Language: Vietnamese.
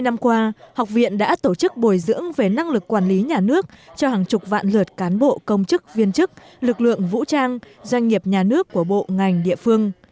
hai mươi năm qua học viện đã tổ chức bồi dưỡng về năng lực quản lý nhà nước cho hàng chục vạn lượt cán bộ công chức viên chức lực lượng vũ trang doanh nghiệp nhà nước của bộ ngành địa phương